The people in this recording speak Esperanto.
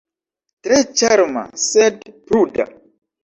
Tre ĉarma, sed pruda.